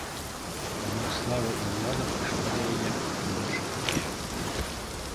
Аднак слава і ўлада прыйшла да яе ў іншых краях.